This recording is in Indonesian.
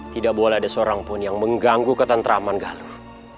tidak boleh ada seseorang pun yang mengganggu ke tenteraman galuh